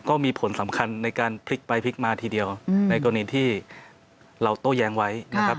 ก็มีผลสำคัญในการพลิกไปพลิกมาทีเดียวในกรณีที่เราโต้แย้งไว้นะครับ